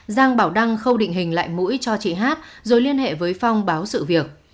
giang bảo đăng không định hình lại mũi cho chị hát rồi liên hệ với phong báo sự việc